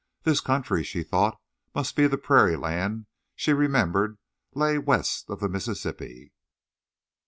This country, she thought, must be the prairie land she remembered lay west of the Mississippi.